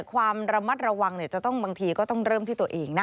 ความระมัดระวังบางทีก็ต้องเริ่มที่ตัวเองนะ